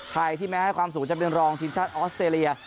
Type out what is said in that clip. ไทยที่แม้ความสูงจะเป็นรองทีมชาติออสเตรเลีย